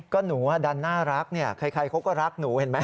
ก็หนูดันน่ารักเนี่ยใครเขาก็รักหนูเห็นไหม